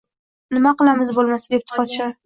Nima qilamiz bo‘lmasa, debdi podsho